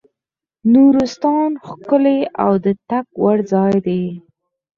نورستان ښکلی او د تګ وړ ځای دی.